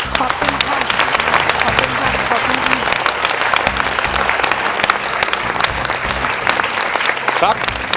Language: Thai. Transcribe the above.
ขอบคุณค่ะ